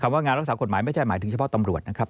ว่างานรักษากฎหมายไม่ใช่หมายถึงเฉพาะตำรวจนะครับ